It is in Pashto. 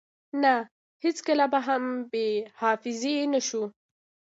نه هیڅکله به هم بی حافظی نشو